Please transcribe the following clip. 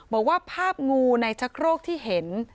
บอกว่าภาพงูในชะโครกที่เห็น